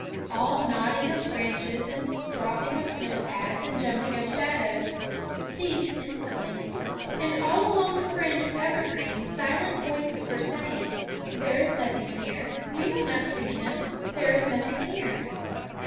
All nodding of branches and dropping of snow pads and jumping of shadows ceased instantly, and all along the fringe of evergreen silent voices were saying, There is nothing here; we have not seen him; there is nothing here.